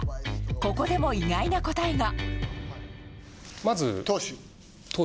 ここでも意外な答えが。